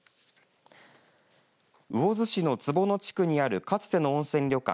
魚津市の坪野地区にあるかつての温泉旅館